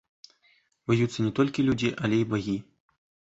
Б'юцца не толькі людзі, але і багі.